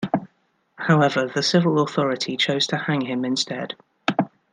However, the civil authority chose to hang him instead.